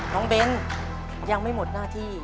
เบ้นยังไม่หมดหน้าที่